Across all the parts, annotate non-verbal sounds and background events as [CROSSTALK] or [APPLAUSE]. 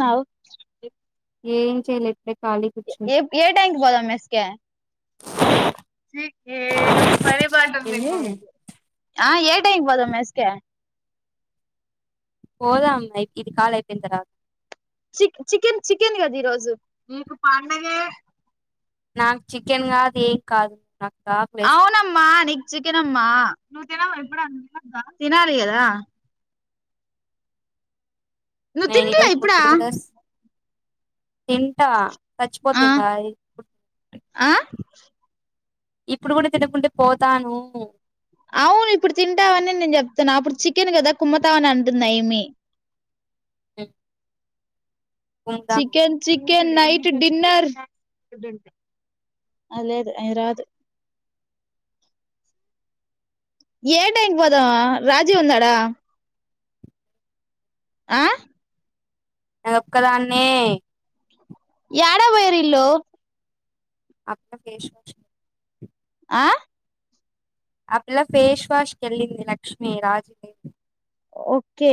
నవు ఏం చేయలేద్ మే ఏ ఏ టైంకి పోదాం మే స్క్యా చీ కేఏం పనిపాటుందింకో మీ ఏంది కి ఆ ఏం టైంకి పోదం మెస్క్య పోదాం ఐ ఇది కాల్ అయిపోయిం తరువా చిక్ చికెన్ చికెన్ గద ఈరోజు నాకు చికెన్ కాదు ఏం కాదు నా అవునమ్మా నీక్ చికెనమ్మా తినాలి గదా నువ్వు నేను తింటిలే ఈరోజు ఇప్పుడా పొద్దున కూడా తింటా ఆ తచ్చిపోతింగా అయ్ ఆ ఇప్పుడు కూడా తినకుంటే పోతాను అవును ఇప్పుడు తింటావని నేను చెప్తున్నా అప్పుడు చికెన్ కదా కుమ్ముతావని అంటున్నా ఏమి మ్ చికెన్ చిక్ కే నైట్ డిన్నర్ ఏ టైంకి పోదాం రాజీవ్ ఉండాడ ఆ నే ఒక్కదాన్నే యాడ వోయిరిల్లూ అక్క ఫేష్ వాష్ ఆ అప్పిల్లా ఫేస్ వాష్ కెళ్ళింది లక్ష్మి రాజిది ఓకే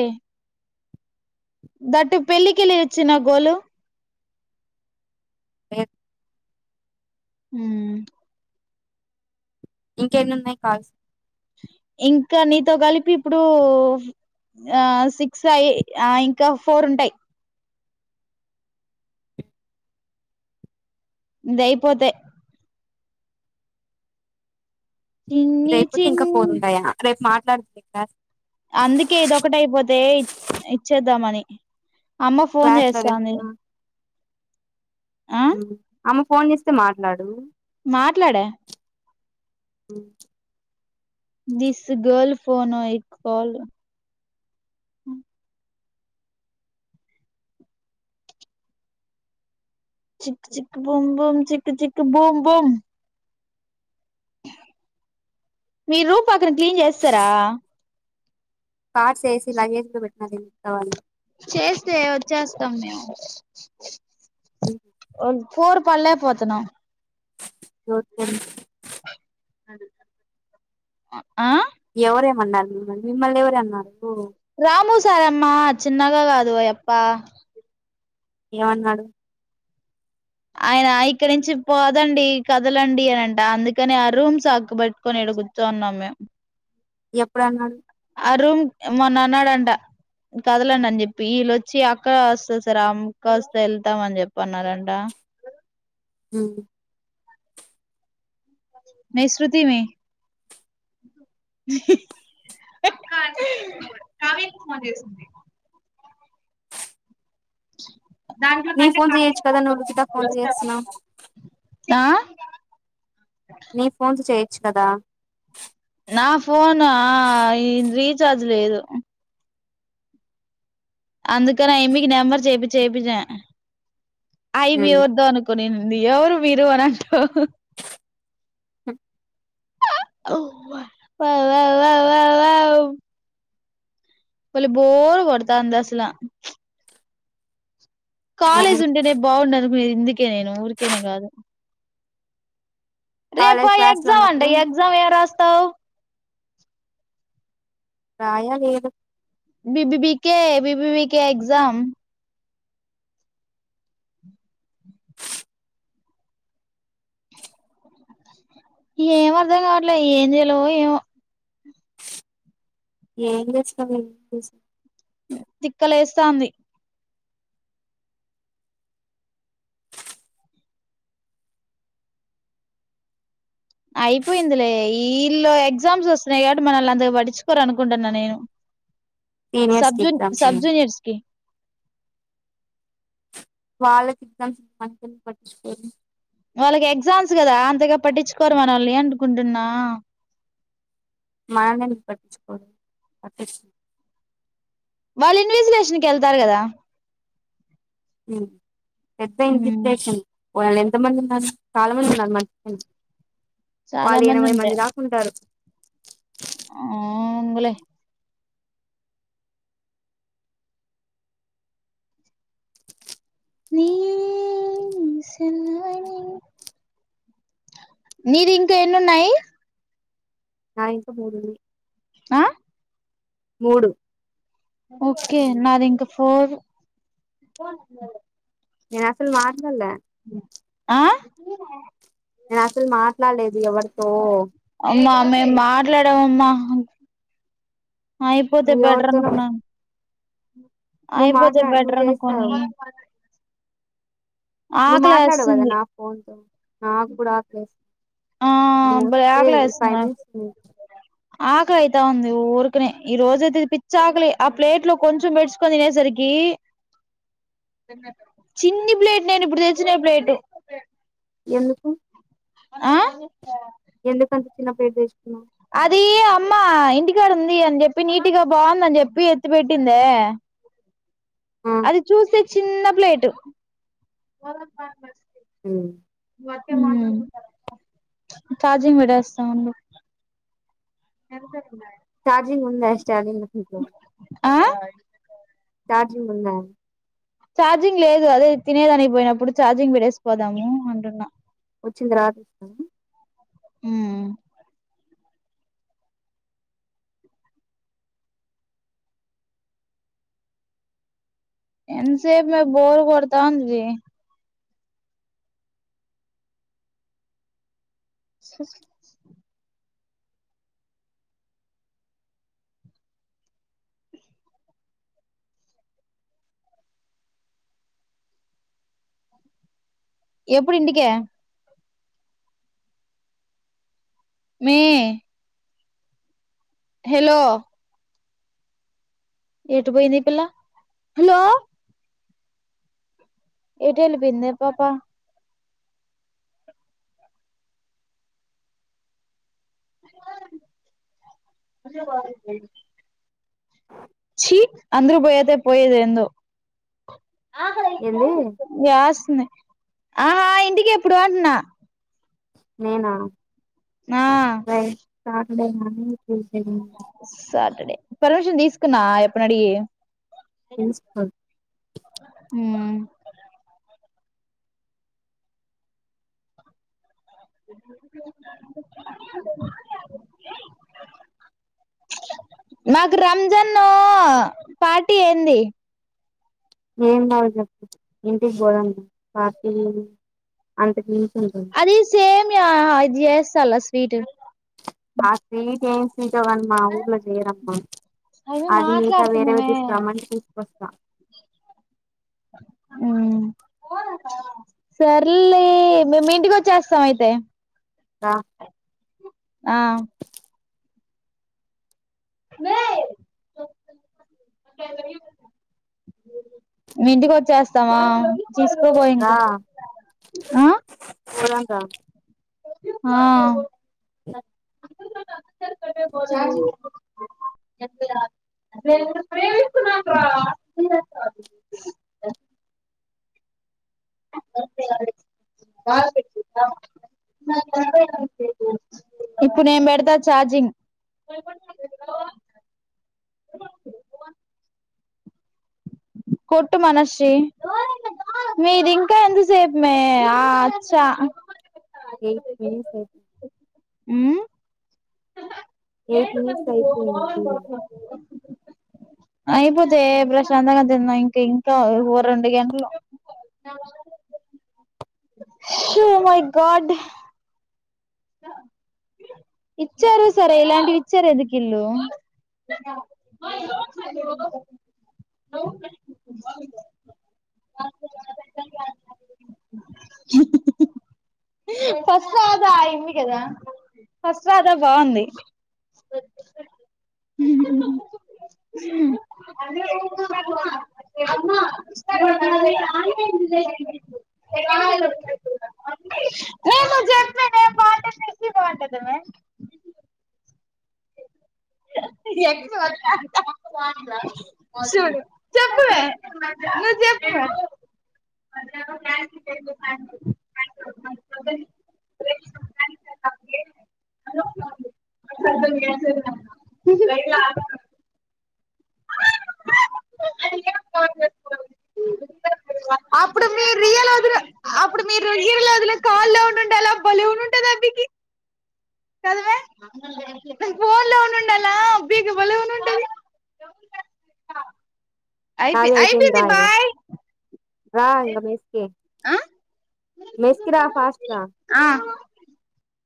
దట్టు పెళ్ళకెళ్లి ఇచ్చిన్నా గోలు లేద్ హ్మ్ ఇంకెన్ని ఉన్నయ్ కాల్స్ ఇంకా నీతో గలిపి ఇప్పుడు ఆ సిక్స్ అయి ఆ ఇంకా ఫోర్ ఉంటయ్ ఇదైయిపోతే ఇది చిన్ని అయిపోతే చిన్ ఇంకా ఫోర్ ఉంటాయా రేపు మా ట్లాడుదు లెక్క అందుకే ఇదొకటి అయిపోతే ఇచ్చేద్దామని అమ్మ ఫోన్ క్లాస్ లో చేస్తాంది ఆ అమ్మ ఫోన్ చేస్తే మాట్లాడు మాట్లాడ [INAUDIBLE] దిస్ గర్ల్ ఫోన్ ఇ కల్ చిక్ చిక్ బొంబమ్ చిక్ చిక్ బొంబమ్ మీ రూమ్ పక్కన క్లీన్ చేసేసారా కార్ట్స్ ఏసీ లగేజ్ కూడా పెట్టినావు ఆ ల్ చేస్తే వచ్చేస్తాం మేము [INAUDIBLE] పోరు పల్లాక పోతునం జోతం ఆ ఎవరేమన్నారు మిమ్మల్ని మిమ్మల్ని ఎవరేం అన్నారు రాము సారమ్మా చిన్నగా కాదొయప్ప ఏమన్నాడు ఆయన ఇక్కడి నుంచి పోదండి కదలండి అనంట అందుకని ఆ రూమ్స్ అక్కబెట్టుకొనిడు ఇక్కడ కూర్చుని ఉన్నాం మేము ఎప్పుడన్నారు ఆ రూమ్ మొన్న అన్నాడంట కదలండి అని చెప్పి వీళ్ళొచ్చి అక్క వస్తా సార్ అక్క వస్తా వెళ్తాంని చెప్పన్నారంట హూ మే శృతి మే [INAUDIBLE] నీ ఫోన్ చేయొచ్చు కదా నువ్వులు కితా ఫోన్ చేస్తున్నావు ఆ నీ ఫోన్స్ చేయొచ్చు కదా నా ఫోన్ ఆ రీచార్జ్ లేదు అందుక న ఇమకి నెంబర్ చేయిపి చేయిపించ అయి బి ఎవర్ద అనుకోనింది అ ఎవరు మీరు అనంటూనవు [INAUDIBLE] ఓ వా వా వా వా వా భలే బోర్ కొడుతుంది అందసలా కాలేజ్ ఉంటేనే బాగుండనుకునేది ఇందుకే నేను ఊరికేనే కాదు కాలేజ్ రేపా క్లాస్ లో ఎగ్జామ్ అండి ఉన్నప్పుడు ఎగ్జామ్ ఏం రాస్తాం రాయా లేదు బీబీకే బిబీకే ఎగ్జామ్ ఏం అర్ధం కావట్లే ఏం జేయాలో ఏవొ ఏం చేస్తమ్ తిక్కలేస్తాంది అయిపోయిందిలే ఈల్ళు ఎగ్జామ్స్ వస్తున్నాయ్ కాబట్టి మనళ్ని అంత పట్టిచుకోర్ అనుకుంటన్నా నేను సీనియర్స్ కి సబ్జున్ ఎగ్జామ్స్ అని సబ్జూనియర్స్కి వాళ్ళక్ ఎగ్జామ్స్ ఉంట మనక్ ఎందుక్ పట్టించుకోరు వాళ్ళకి ఎగ్జామ్స్ కదా అంతగా పట్టించుకోరు మనల్ని అనుకుంటున్నా మనలోని ఎందుక్ పటిించుకోర్ వాళ్ళ్ ఇన్విజిలేషన్ ఎళ్తార్ కదా హా పెద్ద ఉమ్ ఇంజిప్లేషన్ వాళ్ళ్ ఎంతమంది ఉన్నారు చాలా మంది ఉన్నారు చాలా వాళ్ళ్ ఎనభై ఉంటే మంది దాకుంటారు ఆ అంగులే మిది ఇంకా ఎన్నిన్నాయి నాయక ఆ మూడు ఓకే నా ఇంకా ఫర్ నేను అసలు మా అంటల ఆ నేను అసలు మాట్లాడలేదు అది ఎవరితో మె మాట్లాడవమా అయిపోతే నువ్వు బెటర్ ఎవరితోనో అనుకున్నాను నువ్వు అయిపోోతే మాట్లా నువ్వు బెటర్ అనుకోని చేస్తావు నువ్వు ఆకలి మాట్లాడవు కదా వేస్తుంది నా ఫోన్ తో నాకు కూడా ఆకలి ఆ వేస్తుంది నమస్తే ఫైవ్ మినిట్స్ ఫినిష్ ఆకలిైతా ఉంది ఊరుకనే ఈ రోజయితే పిచ్చి ఆకలి ఆ ప్లేట్ లో కొంచెం పెట్టించుకొని తినేసరికి చిన్ని ప్లేట్ నేను ఇప్పుడు తెచ్చిన ప్లేట్ ఎందుకు ఆ ఎందుకంత చిన్న పేరు తెచ్చుకున్నావు అద్ది అమ్మా ఇంటి బాగుంది ఉంది అని చెప్పి నీట్ గా బాగుంది అని చెప్పి ఎత్తి పెెట్టిందే ఆ అది చూసే చిన్న ప్లేట్ ప్లేట్ హా చార్జింగ్ పెడతా ఉండు చార్జింగ్ ఉందా చార్జింగ్ ఆ చార్జింగ్ ఉందా చఛార్జింగ్ లేదు అదే తినేద అనిపోయినప్పుడు ఛార్జింగ్ పడేసి పోదాము అంటున్నా వచ్చింది ర హ ఎంత సేపు బోర్ కొతాది స ఎప్పుడుంటిక మే హలో ఏటు పోయింది ఇ పిల్ల హలో ఎటు వెళ్ళిపోయింది పాప చీ అందురు పోయద పోయేద ఎందు ా ఏంది వ్యాస్ న ఆహా ఇంటికి ఎప్పుడు అంటున్నా నేనా ఆ న శాటర్డే సాటర్డే పరిమిషన్ తీసు నా ఆ అప్పని అడిగి ప్రిన్సిపాల్ ఉమ్ మాకు రంజాన్ పార్టీ ఏంది ఏం కావాలి చెప్పు ఇంటికి పోదం పార్టీ అంతక అది సేమ్యా ఇది చేస్తాళ్ళ స్వీట్ రాత్రీ తన్స అమా ఊర్లో చేయరమ్మా అవి అది మిగతా వేరేవి మాట్లాడుతున్నామే తీసుకురమని తీసుకొస్త ఆ హు సర్లే మేము ఇంటికి వచ్చేస్తాం అయితే దా ఆ మీ ఇంటికి వచ్చేస్తామా తీస్కాపో ఇంగా హ ఊరంతా ఆ అ ఇప్పుడు నేను పెడతా చార్జింగ్ కొట్టు మనర్షి మీది ఇంకా ఎంతసేపు మే ఆ ఆచ్చా ఏ మని స అ ఎయిట్ మినిట్స్ అయిపోయింది అయిపోతే ప్రశాంతంగా తిన్నాం ఇంక ఇంకా ఓ రెండు గంటలు ఓ మై గాడ్ ఇచ్చారు సరే ఇలాంటివి ఇచ్చారు ఎందుకు ఈళ్ళు ఫస్ట్ రాధా అయింది కదా ఫస్ట్ రాధా బాగుంది అయిపో నాది అయిపోయింది అయిపోయింది రా ఇగ బాయ్ రా ఇంగ మెస్ కి మెస్ కి రా ఫాస్ట్ గా